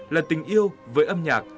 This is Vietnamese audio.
là tình yêu với âm nhạc